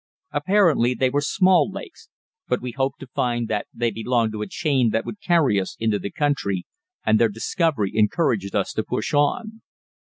Apparently they were small lakes, but we hoped to find that they belonged to a chain that would carry us into the country, and their discovery encouraged us to push on.